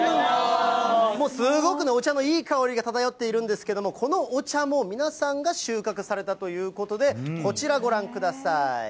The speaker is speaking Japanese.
もうすごくね、お茶のいい香りが漂っているんですけれども、このお茶も、皆さんが収穫されたということで、こちらご覧ください。